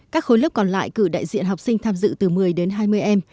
các khối lớp còn lại cử đại diện học sinh tham dự từ một mươi đến hai mươi em